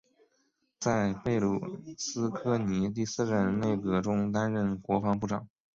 在贝鲁斯柯尼第四任内阁中担任国防部长。